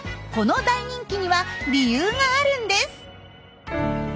この大人気には理由があるんです。